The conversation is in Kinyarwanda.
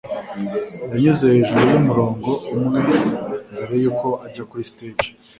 Yanyuze hejuru yumurongo umwe mbere yuko ajya kuri stage